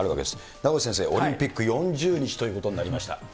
名越先生、オリンピック４０日ということになりました。